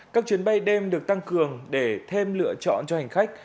các chuyến bay đêm được tăng cường để thêm lựa chọn cho hành khách